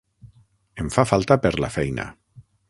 Em fa falta per la feina.